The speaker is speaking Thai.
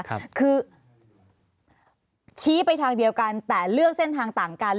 คือชี้ไปทางเดียวกันแต่เลือกเส้นทางต่างกัน